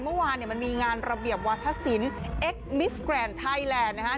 เมื่อวานเนี่ยมันมีงานระเบียบวาธศิลป์เอ็กซมิสแกรนด์ไทยแลนด์นะฮะ